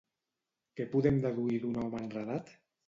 Què podem deduir d'un home enredat?